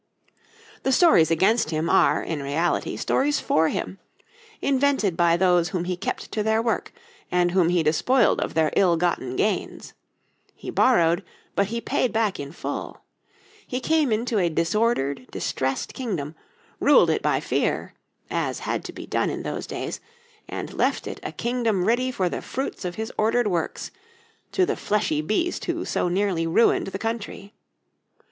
The stories against him are, in reality, stories for him, invented by those whom he kept to their work, and whom he despoiled of their ill gotten gains. He borrowed, but he paid back in full; he came into a disordered, distressed kingdom, ruled it by fear as had to be done in those days and left it a kingdom ready for the fruits of his ordered works to the fleshy beast who so nearly ruined the country.